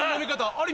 あれ？